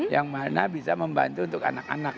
yang mana bisa membantu untuk anak anak